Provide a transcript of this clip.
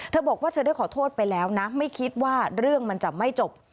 เธอบอกว่าเธอได้ขอโทษไปแล้วนะไม่คิดว่าเรื่องมันจะไม่จบ